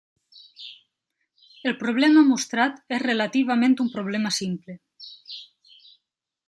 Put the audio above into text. El problema mostrat és relativament un problema simple.